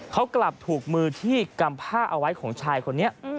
เขากลับถูกมือที่กำผ้าเอาไว้ของชายคนนี้